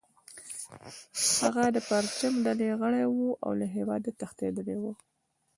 هغه د پرچم ډلې غړی و او له هیواده تښتیدلی و